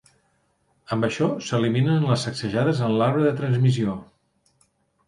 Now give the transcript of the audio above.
Amb això s'eliminen les sacsejades en l'arbre de transmissió.